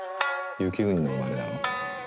雪国の生まれなの？